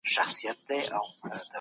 زمری پرون تر شپاڼس بجو پوري بېدېدی.